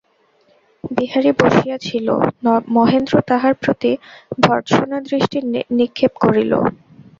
বিহারী বসিয়া ছিল–মহেন্দ্র তাহার প্রতি ভর্ৎসনাদৃষ্টি নিক্ষেপ করিল।